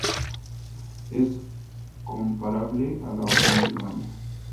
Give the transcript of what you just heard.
Es comparable a la Orden del Baño.